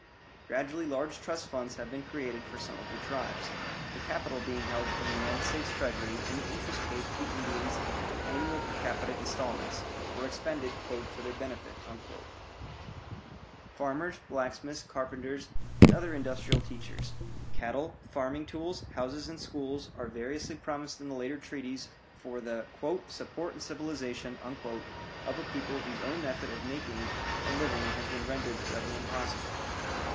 Gradually large trust funds have been created for some of the tribes, the capital being held in the United States Treasury and the interest paid to the Indians in annual per capita instalments, or expended "for their benefit." Farmers, blacksmiths, carpenters, and other industrial teachers; cattle, farming tools, houses, and schools are variously promised in the later treaties for the "support and civilization" of a people whose own method of making a living has been rendered forever impossible.